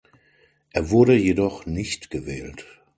Er wurde jedoch nicht gewählt.